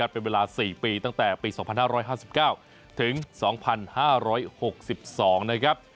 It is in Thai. เป็นเวลา๔ปีตั้งแต่ปี๒๕๕๙ถึง๒๕๖๒นะครับ